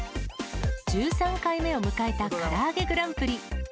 １３回目を迎えたからあげグランプリ。